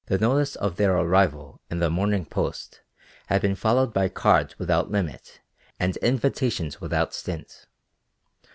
The notice of their arrival in the Morning Post had been followed by cards without limit and invitations without stint.